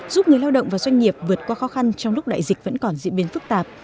giúp người lao động và doanh nghiệp vượt qua khó khăn trong lúc đại dịch vẫn còn diễn biến phức tạp